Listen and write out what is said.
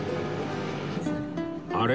あれ？